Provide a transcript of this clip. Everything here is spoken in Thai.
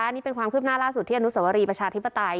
นี่เป็นความคืบหน้าล่าสุดที่อนุสวรีประชาธิปไตย